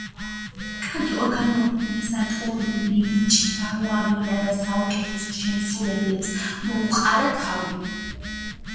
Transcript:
კარგი ორგანიზატორული ნიჭი გამოავლინა და საუკეთესო შემსრულებლებს მოუყარა თავი.